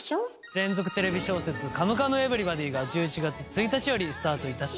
連続テレビ小説「カムカムエヴリバディ」が１１月１日よりスタートいたします。